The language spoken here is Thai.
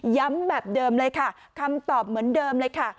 แบบเดิมเลยค่ะคำตอบเหมือนเดิมเลยค่ะ